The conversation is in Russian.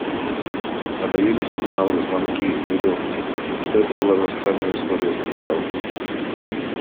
Надоели сигналы, звонки, веревки; Что это была за странная история с одеялом?